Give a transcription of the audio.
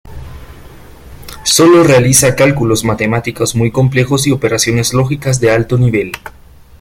Sólo realiza cálculos matemáticos muy complejos y operaciones lógicas de alto nivel.